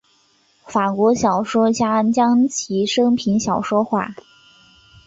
法国小说家将其生平小说化。